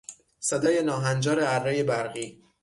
صدای ناهنجار ارهی برقی